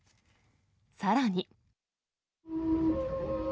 さらに。